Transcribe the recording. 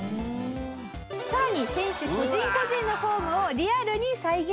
さらに選手個人個人のフォームをリアルに再現。